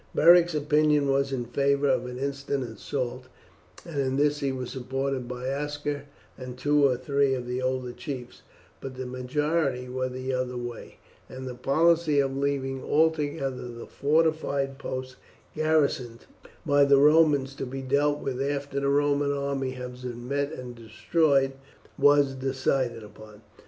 Beric's opinion was in favour of an instant assault, and in this he was supported by Aska and two or three of the older chiefs; but the majority were the other way, and the policy of leaving altogether the fortified posts garrisoned by the Romans to be dealt with after the Roman army had been met and destroyed was decided upon.